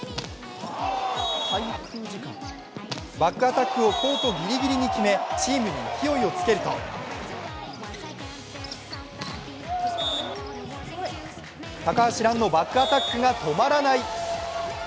バックアタックをコートぎりぎりに決めチームに勢いをつけると高橋藍のバックアタックが止まらない。